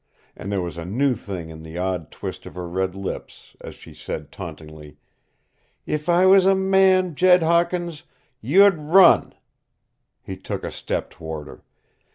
And there was a new thing in the odd twist of her red lips, as she said tauntingly. "If I was a man, Jed Hawkins you'd run!" He took a step toward her.